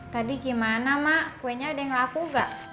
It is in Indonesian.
tadi gimana mak kuenya ada yang laku gak